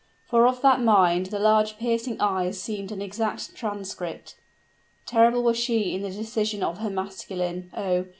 For of that mind the large piercing eyes seemed an exact transcript. Terrible was she in the decision of her masculine oh!